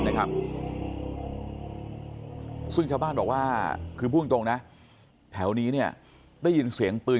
นะครับซึ่งชาวบ้านบอกว่าคือพูดตรงนะแถวนี้เนี่ยได้ยินเสียงปืน